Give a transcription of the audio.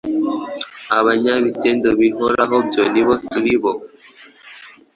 Abanyabitendo bihoraho byo niboturibo